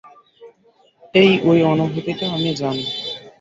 এই, ওই অনুভূতিটা আমি জানি।